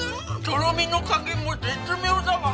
とろみの加減も絶妙だわ。